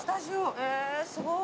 へえすごい。